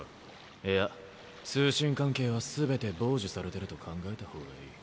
いや通信関係は全て傍受されてると考えた方がいい。